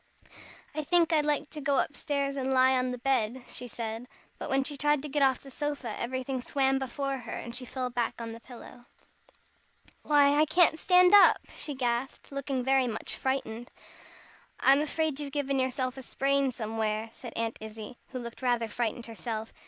"I think I'd like to go up stairs and lie on the bed," she said. But when she tried to get off the sofa, everything swam before her, and she fell back again on the pillow. "Why, I can't stand up!" she gasped, looking very much frightened. "I'm afraid you've given yourself a sprain somewhere," said Aunt Izzie, who looked rather frightened herself.